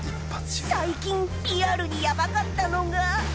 最近リアルにヤバかったのが。